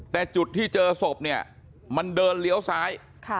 แต่จุดที่เจอศพเนี่ยมันเดินเลี้ยวซ้าย